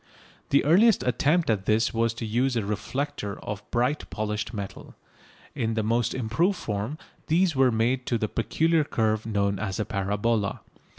The earliest attempt at this was to use a reflector of bright polished metal. In the most improved form these were made to that peculiar curve known as a parabola.